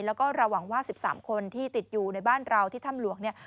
แล้วก็เราหวังว่า๑๓คนที่ติดอยู่ในบ้านเราที่ถ้ำหลวงเนี่ย